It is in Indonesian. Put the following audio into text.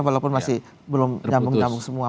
walaupun masih belum jambung jambung semua